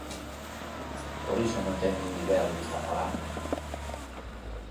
Por iso non ten nin idea do que está falando.